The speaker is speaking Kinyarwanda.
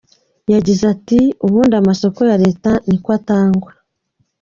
Yagize ati “Ubundi amasoko ya Leta ni ko atangwa.